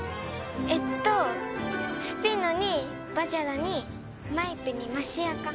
えっとスピノにバジャダにマイプにマシアカ。